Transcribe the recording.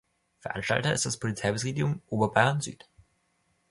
Veranstalter ist das Polizeipräsidium Oberbayern Süd.